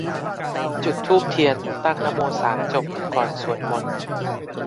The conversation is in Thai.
จุดธูปเทียน ตั้งนะโมสามจบ ก่อนสวดมนต์